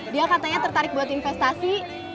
dia katanya tertarik buat investasi